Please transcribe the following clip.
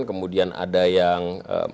kemudian ada yang